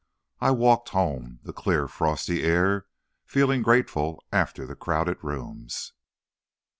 I walked home, the clear, frosty air feeling grateful after the crowded rooms.